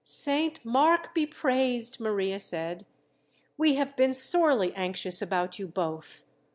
"Saint Mark be praised!" Maria said. "We have been sorely anxious about you both.